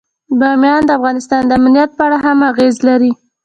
بامیان د افغانستان د امنیت په اړه هم اغېز لري.